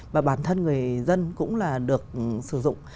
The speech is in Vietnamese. và bản thân người dân cũng là được sử dụng